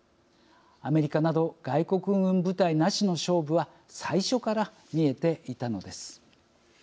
アメリカなど外国軍部隊なしの勝負は最初から見えていたのです。